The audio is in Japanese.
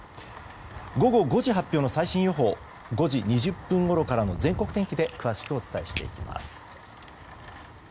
午後５時発表の最新予報は５時２０分ごろからの全国天気で詳しくお伝えしていきます。